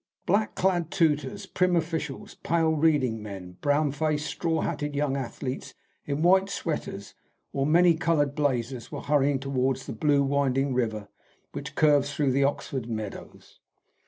Black clad tutors, prim officials, pale reading men, brown faced, straw hatted young athletes in white sweaters or many coloured blazers, all were hurrying towards the blue winding river which curves through the Oxford meadows.